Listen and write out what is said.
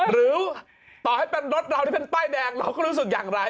หรือต่อให้เป็นรถเราที่เป็นป้ายแดงเราก็รู้สึกอย่างไร